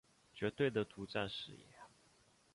绝对的独占事业